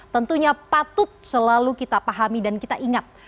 tentunya patut selalu kita pahami dan kita ingat